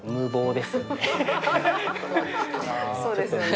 そうですよね。